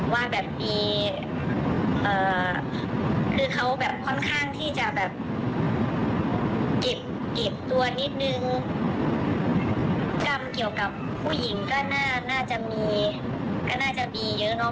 ว่าแบบมีคือเขาแบบค่อนข้างที่จะแบบเก็บตัวนิดนึงกรรมเกี่ยวกับผู้หญิงก็น่าจะมีก็น่าจะมีเยอะเนอะ